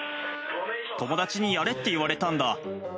友達にやれって言われたんだ。